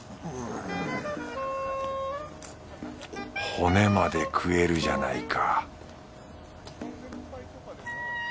骨まで食えるじゃないか